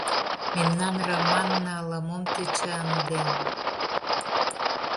— Мемнан Раманна ала-мом тӧча ынде?